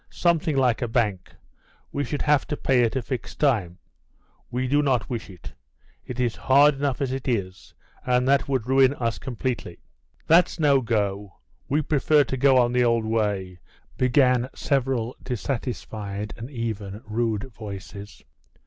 "Something like a bank; we should have to pay at a fixed time. We do not wish it; it is hard enough as it is, and that would ruin us completely." "That's no go. We prefer to go on the old way," began several dissatisfied, and even rude, voices.